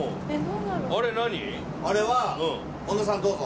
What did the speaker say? あれは小野さんどうぞ。